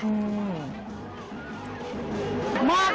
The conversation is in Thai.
มูกค่ะมูก